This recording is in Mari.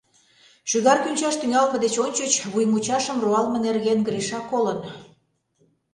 Шӱгар кӱнчаш тӱҥалме деч ончыч вуй мучашым руалме нерген Гриша колын.